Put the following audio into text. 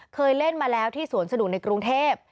เคยเล่นมาแล้วที่สวนสนุกในกรุงเทพ